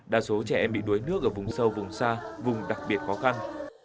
đa số trẻ em bị đuối nước ở vùng sâu vùng xa vùng đặc biệt khó khăn